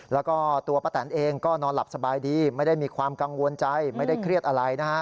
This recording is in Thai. แล้วก็ตัวป้าแตนเองก็นอนหลับสบายดีไม่ได้มีความกังวลใจไม่ได้เครียดอะไรนะฮะ